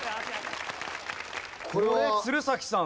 これ鶴崎さん